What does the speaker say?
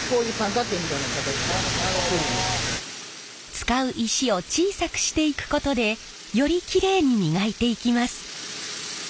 使う石を小さくしていくことでよりきれいに磨いていきます。